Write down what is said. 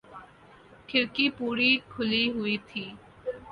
کھڑکی پوری کھلی ہوئی تھی